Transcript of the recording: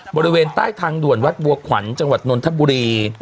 บริเวณใต้ทางด่วนวัดบัวขวัญจังหวัดนนทบุรี